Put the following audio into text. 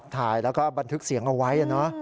ถ่ายแล้วก็บันทึกเสียงเอาไว้นะ